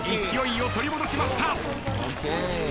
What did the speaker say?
勢いを取り戻しました。